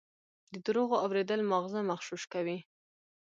د دروغو اورېدل ماغزه مغشوش کوي.